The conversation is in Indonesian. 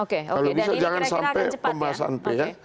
kalau bisa jangan sampai pembahasan p ya